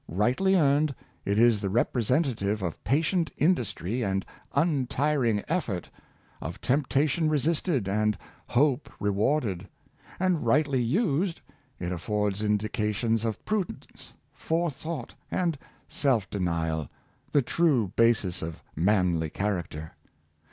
Rightly earned, it is the representative of patient industry and untiring effort, of temptation resisted and hope rewarded; and rightly used, it affords indications of prudence, fore thought, and self denial — the true basis of manly char acter.